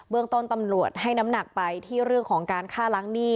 เรื่องต้นตำรวจให้น้ำหนักไปที่เรื่องของการฆ่าล้างหนี้